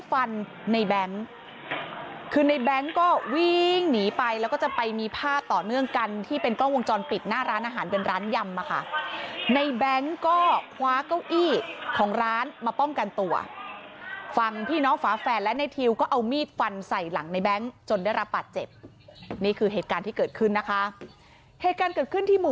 ฟันในแบงค์คือในแบงค์ก็วิ่งหนีไปแล้วก็จะไปมีภาพต่อเนื่องกันที่เป็นกล้องวงจรปิดหน้าร้านอาหารเป็นร้านยำอ่ะค่ะในแบงค์ก็คว้าเก้าอี้ของร้านมาป้องกันตัวฝั่งพี่น้องฝาแฝดและในทิวก็เอามีดฟันใส่หลังในแง๊งจนได้รับบาดเจ็บนี่คือเหตุการณ์ที่เกิดขึ้นนะคะเหตุการณ์เกิดขึ้นที่หมู่